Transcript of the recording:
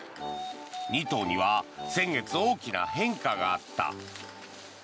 ２頭には先月、大きな変化があった。